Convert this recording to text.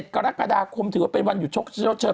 กรกฎาคมถือว่าเป็นวันหยุดชกเชื้อ